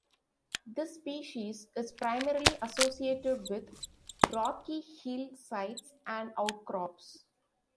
This species is primarily associated with rocky hillsides and outcrops.